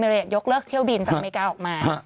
ยกเลิกเที่ยวบินจากอเมริกาออกมา